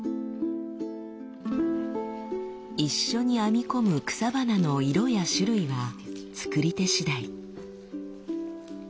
一緒に編み込む草花の色や種類は作り手しだい。